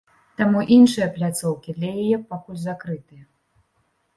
Таму іншыя пляцоўкі для яе пакуль закрытыя.